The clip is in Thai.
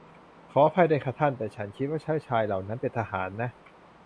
ขออภัยด้วยค่ะท่าน แต่ฉันคิดว่าผู้ชายเหล่านั้นเป็นทหารนะ